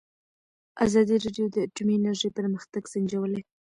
ازادي راډیو د اټومي انرژي پرمختګ سنجولی.